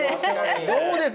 どうです？